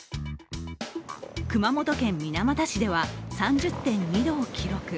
熊本県水俣市では３０．２度を記録。